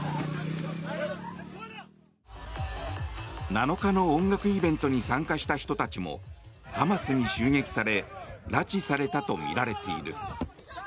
７日の音楽イベントに参加した人たちもハマスに襲撃され拉致されたとみられている。